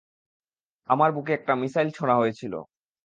আমার বুকে একটা মিসাইল ছোঁড়া হয়েছিল!